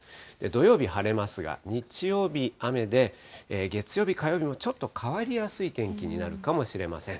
土曜日、晴れますが、日曜日、雨で、月曜日、火曜日もちょっと変わりやすい天気になるかもしれません。